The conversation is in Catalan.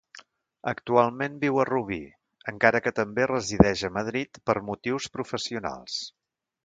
Actualment viu a Rubí, encara que també resideix a Madrid, per motius professionals.